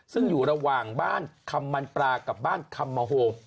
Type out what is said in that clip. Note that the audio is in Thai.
ซึ่งอยู่ระหว่างบ้านคำมันปลากับบ้านคำมโฮ